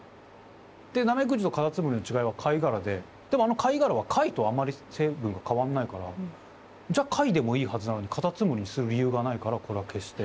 でナメクジとカタツムリの違いは貝殻ででもあの貝殻は貝とあまり成分が変わんないからじゃあ貝でもいいはずなのにカタツムリにする理由がないからこれは消して。